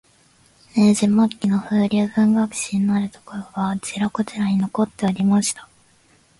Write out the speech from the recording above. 明治末期の風流文学史になるところが、あちらこちらに残っておりました